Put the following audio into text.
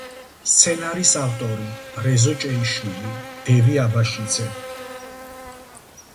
სცენარის ავტორი: რეზო ჭეიშვილი, დევი აბაშიძე.